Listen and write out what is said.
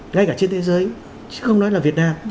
ngay cả trên thế giới chứ không nói là việt nam